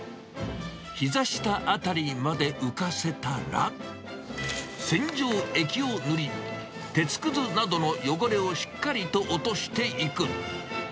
ひざ下辺りまで浮かせたら、洗浄液を塗り、鉄くずなどの汚れをしっかりと落としていく。